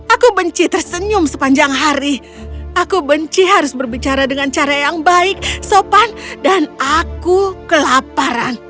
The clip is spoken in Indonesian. aku benci tersenyum sepanjang hari aku benci harus berbicara dengan cara yang baik sopan dan aku kelaparan